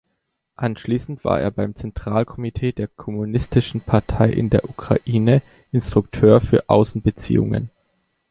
Anschließend war er beim Zentralkomitee der Kommunistischen Partei in der Ukraine Instrukteur für Außenbeziehungen.